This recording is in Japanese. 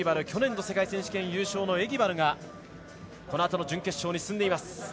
去年の世界選手権優勝のエギバルがこのあとの準決勝に進んでいます。